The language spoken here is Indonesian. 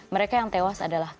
mereka yang tewas adalah